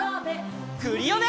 クリオネ！